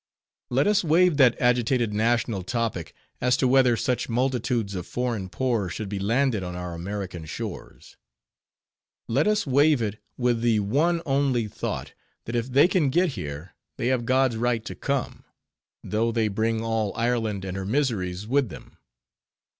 Let us waive that agitated national topic, as to whether such multitudes of foreign poor should be landed on our American shores; let us waive it, with the one only thought, that if they can get here, they have God's right to come; though they bring all Ireland and her miseries with them.